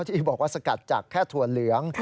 ที่บอกว่าสกัดจากแค่ถั่วเหลือง